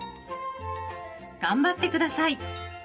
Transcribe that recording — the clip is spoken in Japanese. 頑張ってください。